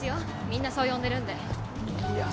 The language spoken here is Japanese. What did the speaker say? みんなそう呼んでるんでいや